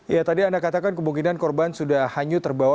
ya tadi anda katakan kemungkinan korban sudah hanyut terbawa